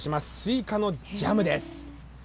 スイカのジャムです。